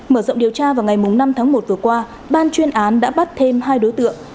mở rộng điều tra vào ngày năm tháng một vừa qua ban chuyên án đã bắt thêm hai đối tượng